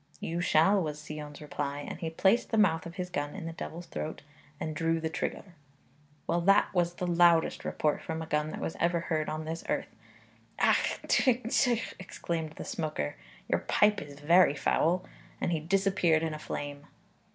'You shall,' was Sion's reply, and he placed the mouth of his gun in the devil's throat and drew the trigger. Well; that was the loudest report from a gun that was ever heard on this earth. 'Ach! tw! tw!' exclaimed the smoker, 'your pipe is very foul,' and he disappeared in a flame.